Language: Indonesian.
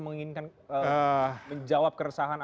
menginginkan menjawab keresahan atau